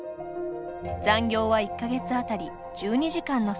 残業は１か月当たり１２時間の削減。